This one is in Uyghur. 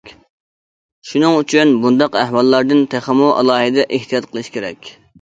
شۇنىڭ ئۈچۈن، بۇنداق ئەھۋاللاردىن تېخىمۇ ئالاھىدە ئېھتىيات قىلىش كېرەك.